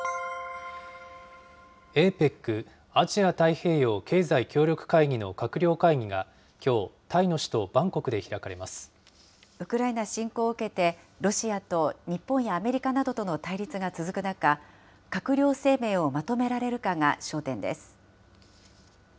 ＡＰＥＣ・アジア太平洋経済協力会議の閣僚会議がきょう、ウクライナ侵攻を受けて、ロシアと日本やアメリカなどとの対立が続く中、閣僚声明をまとめられるかが焦点です。